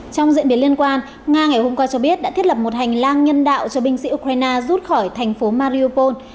trong diễn biến liên quan nga ngày hôm qua cho biết đã thiết lập một hành lang nhân đạo cho binh sĩ ukraine rút khỏi thành phố mariopol